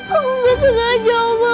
aku gak sengaja mama